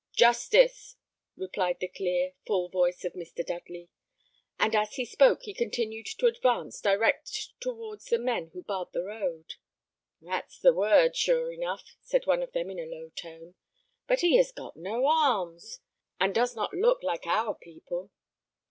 "Justice," replied the clear, full voice of Mr. Dudley; and as he spoke, he continued to advance direct towards the men who barred the road. "That's the word, sure enough," said one of them in a low tone; "but he has got no arms, and does not look like our people."